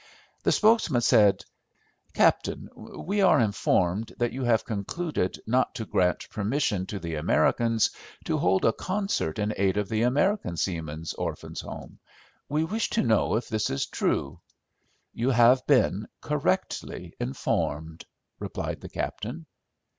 The spokesman said— "Captain, we are informed that you have concluded not to grant permission to the Americans to hold a concert in aid of the American Seamen's Orphans' Home. We wish to know if this is true?" "You have been correctly informed," replied the captain.